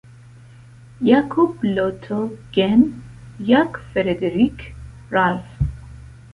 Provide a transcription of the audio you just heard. Jacob, Lt. Gen. Jack Frederick Ralph.